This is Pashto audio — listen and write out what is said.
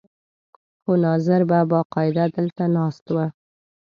خو ناظر به باقاعده دلته ناست و.